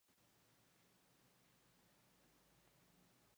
Durante la madrugada del día siguiente partió desde la ciudad con algunos soldados.